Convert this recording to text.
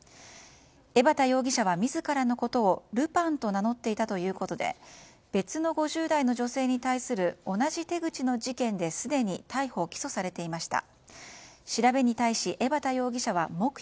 江畑容疑者は自らのことをルパンと名乗っていたということで別の５０代の女性に対する同じ手口の事件ですでに逮捕・起訴されていました。